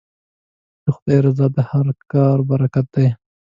د خدای رضا د هر کار برکت دی.